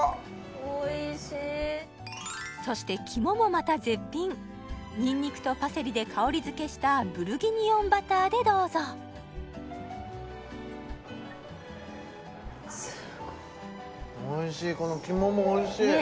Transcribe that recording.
おいしいそして肝もまた絶品ニンニクとパセリで香りづけしたブルギニオンバターでどうぞこの肝もおいしいねえ